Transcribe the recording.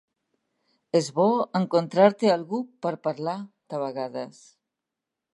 És bo encontrar-te algú per parlar, de vegades.